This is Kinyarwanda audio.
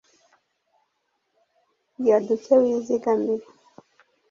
rya duke wizigamire,